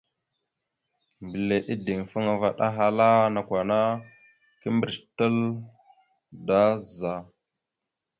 Mbile ideŋfaŋa vaɗ ahala: « Nakw ana kimbirec tal daa za? ».